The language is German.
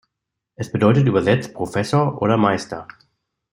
Es bedeutet übersetzt "Professor" oder "Meister".